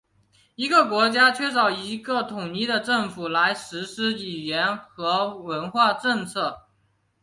这个国家缺少一个统一的政府来实施语言和文化政策。